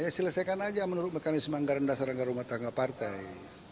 ya selesaikan aja menurut mekanisme anggaran dasar anggaran rumah tangga partai